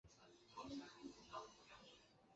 雄性海狗一般在五月末到达群栖地。